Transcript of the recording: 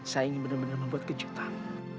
saya ingin benar benar membuat kejutan